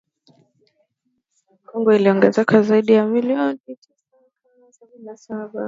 Kongo inaongeza zaidi ya watu milioni tisini katika Jumuiya ya Afrika Mashariki yenye watu milioni mia moja sabini na saba